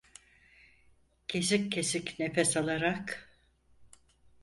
Kesik kesik nefes alarak: